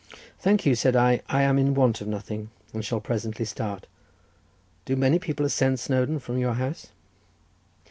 "Thank you," said I—"I am in want of nothing, and shall presently start. Do many people ascend Snowdon from your house?"